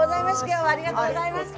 今日はありがとうございます。